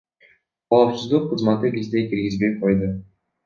Коопсуздук кызматы бизди киргизбей койду.